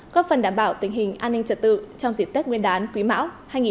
góp phần đảm bảo tình hình an ninh trật tự trong dịp tết nguyên đán quý mão hai nghìn hai mươi bốn